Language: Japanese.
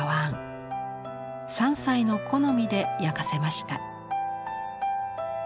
三斎の好みで焼かせました。